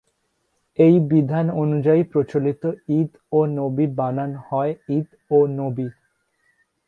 এই বিধান অনুযায়ী প্রচলিত ঈদ ও নবী বানান হয় ইদ ও নবি।